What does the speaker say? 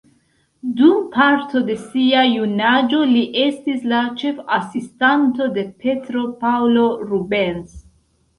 Dum parto de sia junaĝo li estis la ĉef-asistanto de Petro Paŭlo Rubens.